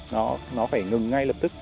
nó phải ngừng ngay lập tức